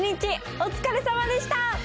お疲れさまでした！